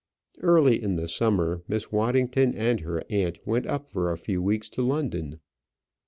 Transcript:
Early in the summer, Miss Waddington and her aunt went up for a few weeks to London.